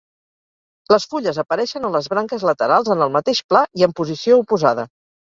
Les fulles apareixen a les branques laterals en el mateix pla i en posició oposada.